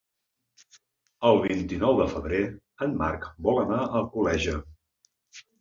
El vint-i-nou de febrer en Marc vol anar a Alcoleja.